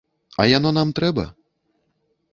А яно там трэба?